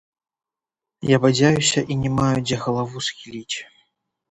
Я бадзяюся і не маю дзе галаву схіліць.